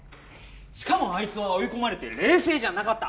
しかもあいつは追い込まれて冷静じゃなかった。